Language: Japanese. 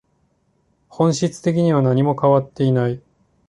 本質的には何も変わっていない